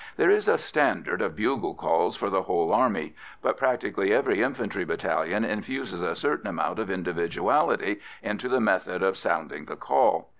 There is a standard of bugle calls for the whole Army, but practically every infantry battalion infuses a certain amount of individuality into the method of sounding the call.